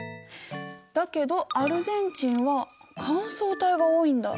だけどアルゼンチンは乾燥帯が多いんだ。